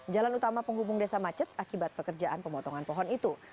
jalan utama penghubung desa macet akibat pekerjaan pemotongan pohon itu